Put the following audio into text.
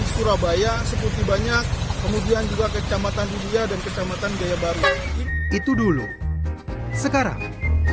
surabaya seputi banyak kemudian juga kecamatan india dan kecamatan jaya baru itu dulu sekarang